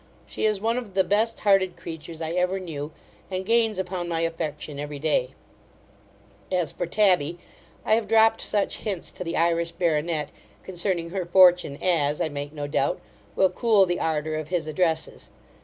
She is one of the best hearted creatures I ever knew, and gains upon my affection every day As for Tabby, I have dropt such hints to the Irish baronet, concerning her fortune, as, I make no doubt, will cool the ardour of his addresses.